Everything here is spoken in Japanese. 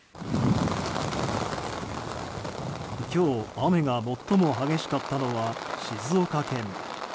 今日、雨が最も激しかったのは静岡県。